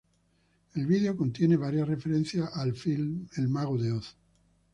El video contiene varias referencias al filme El Mago de Oz.